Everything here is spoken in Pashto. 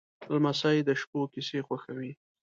لمسی د شپو کیسې خوښوي.